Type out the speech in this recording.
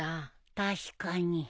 確かに。